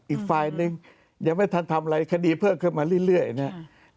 อีกฝ่ายนึงยังไม่ทันทำอะไรคดีเพิ่มขึ้นมาเรื่อยนะครับ